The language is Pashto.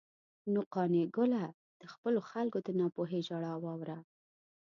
نو قانع ګله، د خپلو خلکو د ناپوهۍ ژړا واوره.